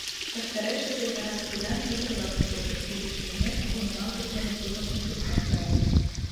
Ваштарешыже яра кидан ӱдыр-влак куржыт, изиш лиймек у нумалтыш дене тудым ончылтен каят.